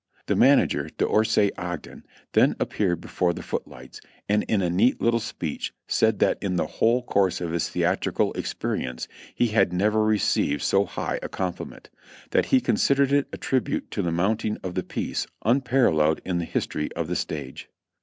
The manager, D'Orsay Ogden, then appeared before the foot lights, and in a neat little speech said that in the whole course of his theatrical experience he had never received so high a com pliment ; that he considered it a tribute to the mounting of the piece, unparalleled in the history of the stage.